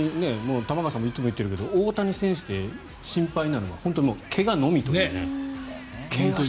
玉川さんもいつも言ってるけど大谷選手で心配なのは本当に怪我のみという。